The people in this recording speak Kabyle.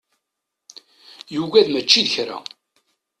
Yugad mačči d kra.